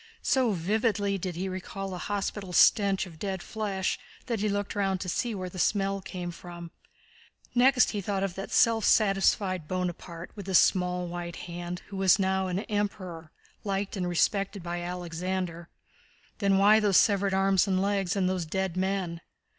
So vividly did he recall that hospital stench of dead flesh that he looked round to see where the smell came from. Next he thought of that self satisfied Bonaparte, with his small white hand, who was now an Emperor, liked and respected by Alexander. Then why those severed arms and legs and those dead men?...